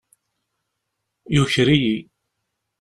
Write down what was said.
Yuker-iyi.